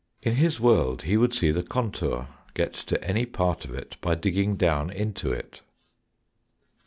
In his world he would see the contour, get to any part of it by digging down into it.